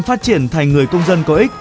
phát triển thành người công dân có ích